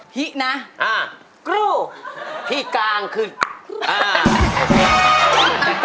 พี่นะกรูพี่กางคือ